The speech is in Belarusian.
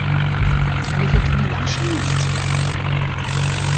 Але гэта не наша месца!